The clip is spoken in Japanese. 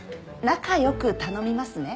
仲良く頼みますね。